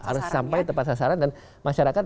harus sampai tepat sasaran dan masyarakat